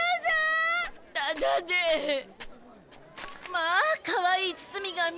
まあかわいい包み紙。